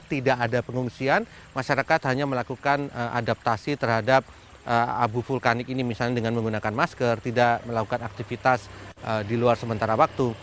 tidak ada pengungsian masyarakat hanya melakukan adaptasi terhadap abu vulkanik ini misalnya dengan menggunakan masker tidak melakukan aktivitas di luar sementara waktu